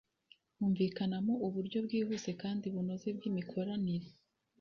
humvikanamo uburyo bwihuse kandi bunoze bw’imikoranire